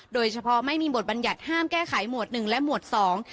โดยเฉพาะไม่มีบทบัญญัติห้ามแก้ไขหมวดหนึ่งและหมวดสอง